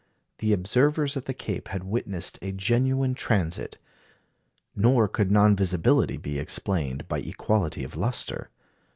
The observers at the Cape had witnessed a genuine transit. Nor could non visibility be explained by equality of lustre.